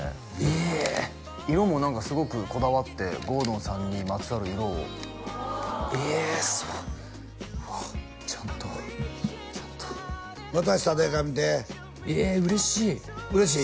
えーっ色も何かすごくこだわって郷敦さんにまつわる色をえーっそわっちゃんとちゃんと渡したで上手えーっ嬉しい嬉しい？